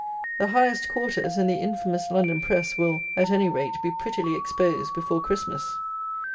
The highest quarters, and the infamous London press, will, at any rate, be prettily exposed, before Christmas.